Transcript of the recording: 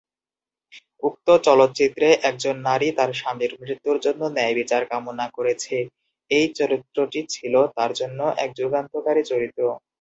উক্ত চলচ্চিত্রে একজন নারী তার স্বামীর মৃত্যুর জন্য ন্যায়বিচার কামনা করেছে,- এই চরিত্রটি ছিল তাঁর জন্য এক যুগান্তকারী চরিত্র।